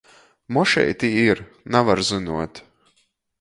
Mošeit i ir, navar zynuot.